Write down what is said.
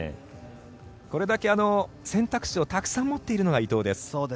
これだけ選択肢をたくさん持っているのが伊藤です。